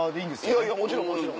いやいやもちろんもちろん。